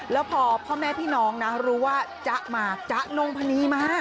แล้วพอพ่อแม่พี่น้องนะรู้ว่าจ๊ะมาจ๊ะนงพนีมา